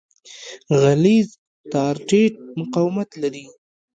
غلیظ تار ټیټ مقاومت لري.